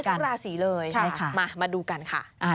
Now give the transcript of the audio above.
ทำได้ทุกราศีเลยมาดูกันค่ะ